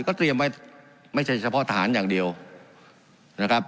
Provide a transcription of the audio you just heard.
ก็เตรียมไว้ไม่ใช่เฉพาะทหารอย่างเดียวนะครับ